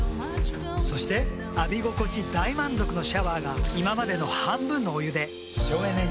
そして浴び心地大満足のシャワーが今までの半分のお湯で省エネに。